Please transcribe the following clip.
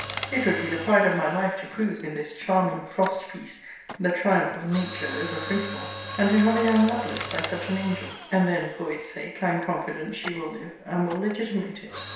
It would be the pride of my life to prove, in this charming frost piece, the triumph of Nature over principle, and to have a young Lovelace by such an angel: and then, for its sake, I am confident she will live, and will legitimate it.